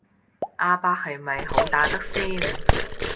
阿伯係咪好打得先